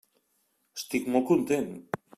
Estic molt content.